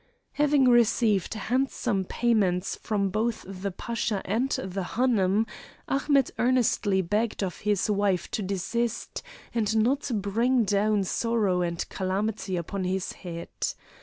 Having received handsome payment from both the Pasha and the Hanoum, Ahmet earnestly begged of his wife to desist and not bring down sorrow and calamity upon his head.